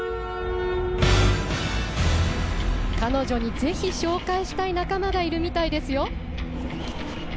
彼女に、ぜひ紹介したい仲間がいるみたいです。